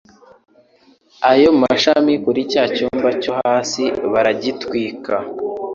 ayo mashami kuri cya cyumba cyo hasi baragitwika